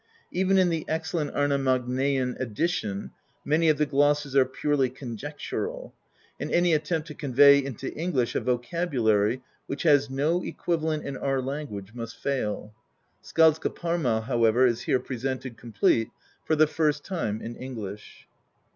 Even in the excellent Arnamagnaean edition, many of the glosses are purely con jectural; and any attempt to convey into English a vocabu lary which has no equivalent in our language must fail. Skaldskaparmal^ however, is here presented, complete, for the first time in English.